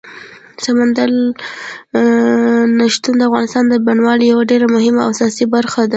سمندر نه شتون د افغانستان د بڼوالۍ یوه ډېره مهمه او اساسي برخه ده.